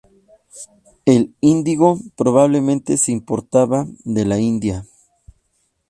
El índigo probablemente se importaba de la India.